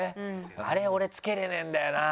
あれ俺つけれねえんだよな。